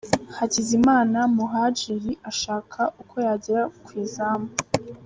Hakizimana Muhadjili ashaka uko yagera ku izamu .